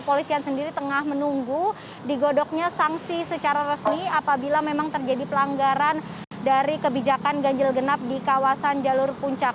polisian sendiri tengah menunggu digodoknya sanksi secara resmi apabila memang terjadi pelanggaran dari kebijakan ganjil genap di kawasan jalur puncak